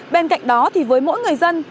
bên cạnh đó thì với mỗi người dân